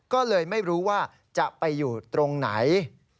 ก็เลยไม่รู้ว่าจะไปอยู่ตรงไหน